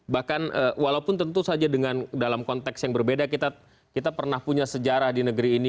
bahkan walaupun tentu saja dengan dalam konteks yang berbeda kita pernah punya sejarah di negeri ini